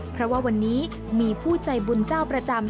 เพราะว่าวันนี้มีผู้ใจบุญเจ้าประจำ